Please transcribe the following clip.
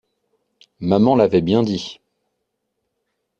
Maman l'avait bien dit!